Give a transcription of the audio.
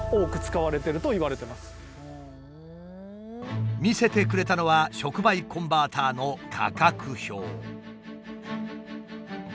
近年見せてくれたのは触媒コンバーターの価格表。